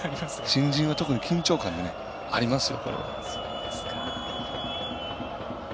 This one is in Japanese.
新人は特に緊張感がありますよ。